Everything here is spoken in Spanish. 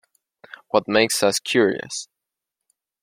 What Makes Us Curious".